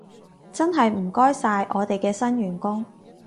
真係唔該晒，我哋嘅新員工